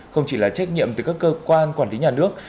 không chỉ là trách nhiệm từ các cơ quan quản lý nhà nước